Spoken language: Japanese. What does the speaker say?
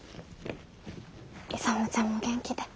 勇ちゃんも元気で。